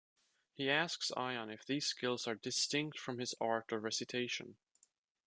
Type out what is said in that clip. He asks Ion if these skills are distinct from his art of recitation.